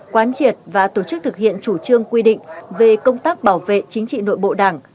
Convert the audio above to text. quán triệt và tổ chức thực hiện chủ trương quy định về công tác bảo vệ chính trị nội bộ đảng